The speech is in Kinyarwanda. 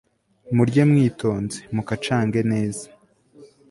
murye mwitonze, mukacange neza